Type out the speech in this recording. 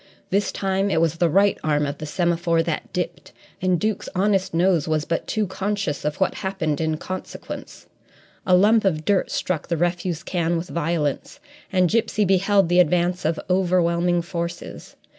This time it was the right arm of the semaphore that dipped and Duke's honest nose was but too conscious of what happened in consequence. A lump of dirt struck the refuse can with violence, and Gipsy beheld the advance of overwhelming forces.